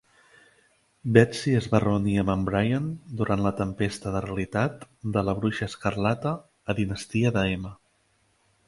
Betsy es va reunir amb en Brian durant la tempesta de realitat de la Bruixa Escarlata a "Dinastia de M".